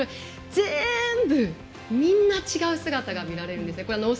全部、みんな違う姿が見られるんですね。